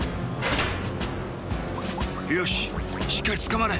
よししっかりつかまれ！